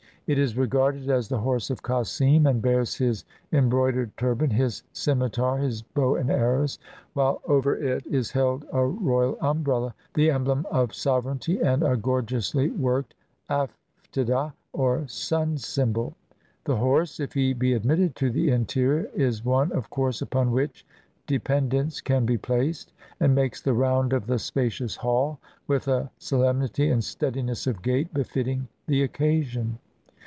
It is regarded as the horse of Cossim, and bears his embroidered turban, his scimitar, his bow and arrows; while over it is held a royal umbrella, the emblem of sovereignty, and a gorgeously worked aftadah, or sim symbol. The horse, if he be admitted to the interior, is one, of course, upon which dependence can be placed; and makes the round of the spacious hall with a solem nity and steadiness of gait befitting the occasion.